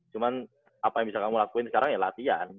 cuma apa yang bisa kamu lakuin sekarang ya latihan